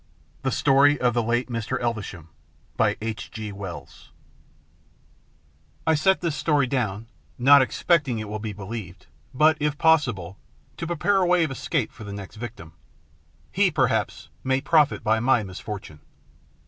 THE STORY OF THE LATE MR. ELVESHAM I SET this story down, not expecting it will be believed, but, if possible, to prepare a way of escape for the next victim. He, perhaps, may profit by my misfortune.